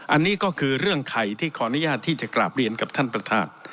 อันนี้ก็คือเรื่องไข่ที่ขออนุญาตที่จะกราบเรียนกับท่านประธาน